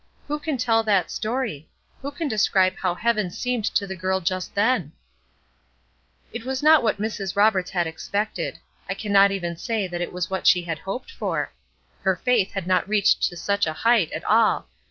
Who can tell that story? Who can describe how heaven seemed to the girl just then? It was not what Mrs. Roberts had expected. I cannot even say that it was what she had hoped for. Her faith had not reached to such a height at all.